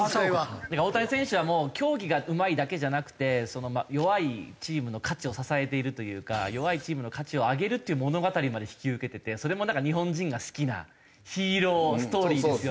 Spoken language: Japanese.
大谷選手はもう競技がうまいだけじゃなくて弱いチームの価値を支えているというか弱いチームの価値を上げるっていう物語まで引き受けててそれもなんか日本人が好きなヒーローストーリーですよね。